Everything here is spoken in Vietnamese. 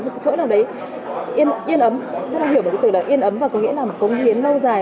một cái chỗ nào đấy yên ấm tức là hiểu một cái từ là yên ấm và có nghĩa là công hiến lâu dài